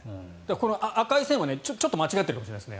この赤い線はちょっと間違っているかもしれないですね。